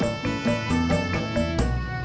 agak keras bang